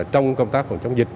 trong công tác phòng chống dịch